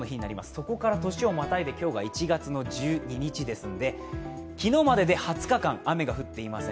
それから年をまたいで今日が１月１２日ですので昨日までで２０日間雨が降っていません。